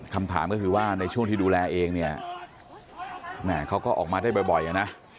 คำถามก็คือว่าในช่วงที่ดูแลเองเนี่ยแม่เขาก็ออกมาได้บ่อยนะ